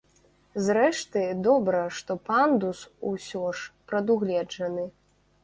Зрэшты, добра, што пандус усё ж прадугледжаны.